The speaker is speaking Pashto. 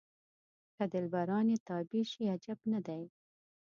که دلبران یې تابع شي عجب نه دی.